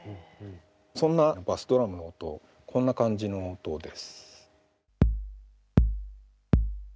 そんなバスドラムの音こんな感じの音です。